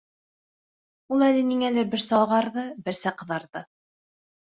Ул әле ниңәлер берсә ағарҙы, берсә ҡыҙарҙы.